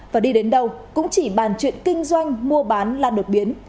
và đi đến đâu cũng chỉ bàn chuyện kinh doanh mua bán là đột biến